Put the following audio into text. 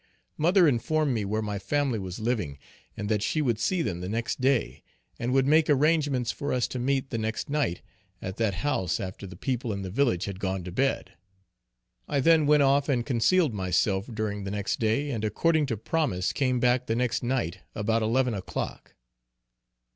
Mother informed me where my family was living, and that she would see them the next day, and would make arrangements for us to meet the next night at that house after the people in the village had gone to bed. I then went off and concealed myself during the next day, and according to promise came back the next night about eleven o'clock.